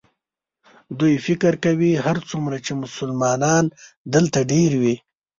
دوی فکر کوي هرڅومره چې مسلمانان دلته ډېر وي.